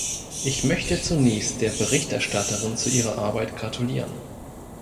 Ich möchte zunächst der Berichterstatterin zu ihrer Arbeit gratulieren.